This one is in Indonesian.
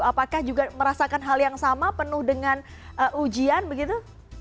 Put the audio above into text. apakah juga merasakan hal yang sama penuh dengan ujian begitu